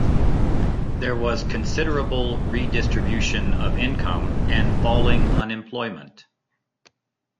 There was considerable redistribution of income and falling unemployment.